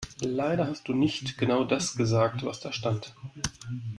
Leider hast du nicht genau das gesagt, was da stand.